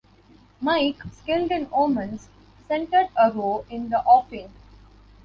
Mike, skilled in omens, scented a row in the offing.